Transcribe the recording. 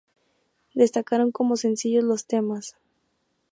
Destacaron como sencillos los temas.